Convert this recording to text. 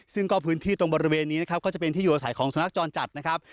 ซึ่งก็พื้นที่ตรงบริเวณนี้นะครับก็จะเป็นที่อยู่อาศัยของสุนัขจรจัดนะครับ